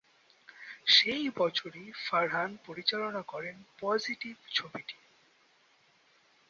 সেই বছরই ফারহান পরিচালনা করেন "পজিটিভ" ছবিটি।